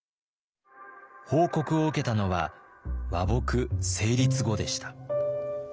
報告を受けたのは和睦成立後でした。